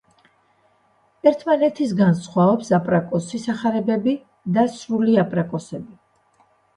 ერთმანეთისგან სხვაობს აპრაკოსი სახარებები და სრული აპრაკოსები.